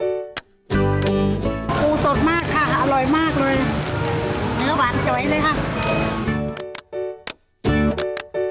ไปชมภาพของครอบครัวลุงชายมาฝากกันด้วย